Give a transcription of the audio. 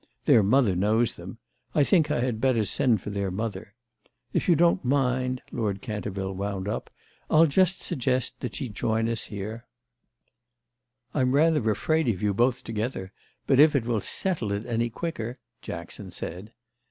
Their mother knows them—I think I had better send for their mother. If you don't mind," Lord Canterville wound up, "I'll just suggest that she join us here." "I'm rather afraid of you both together, but if it will settle it any quicker—!" Jackson said.